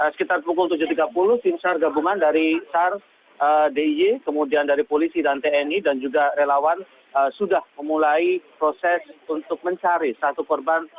sekitar pukul tujuh tiga puluh tim sar gabungan dari sar d i y kemudian dari polisi dan tni dan juga relawan sudah memulai proses untuk mencari satu korban